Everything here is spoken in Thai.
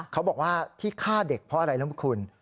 เขาบอกว่าที่ฆ่าเด็กเพราะอะไรรู้ไหมคุณ